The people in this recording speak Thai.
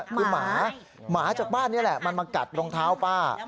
คือหมาหมาจากบ้านนี่แหละมันมากัดรองเท้าป้า